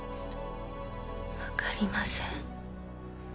分かりません。